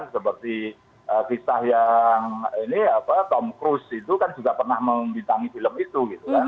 seperti kisah yang tom cruise itu kan juga pernah membintangi film itu